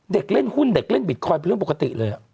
เด็กเล่นหุ้นเด็กเล่นบิตคอยน์เป็นเรื่องปกติเลย